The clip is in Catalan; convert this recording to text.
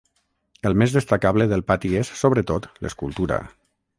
El més destacable del pati és, sobretot, l'escultura.